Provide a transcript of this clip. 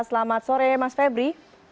selamat sore mas febri